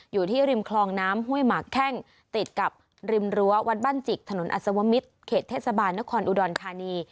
อยู่ที่ริมคลองน้ำห้วยหมากแข้งติดกับริมรั้ววัดบ้านจิกถนนอัศวมิตรเขตเทศบาลนครอุดรธานี